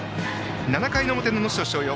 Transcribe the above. ７回の表の能代松陽。